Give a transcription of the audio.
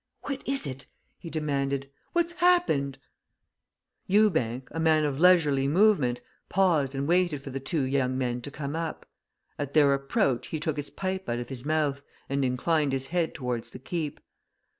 "What is it?" he demanded. "What's happened?" Ewbank, a man of leisurely movement, paused and waited for the two young men to come up. At their approach he took his pipe out of his mouth, and inclined his head towards the Keep.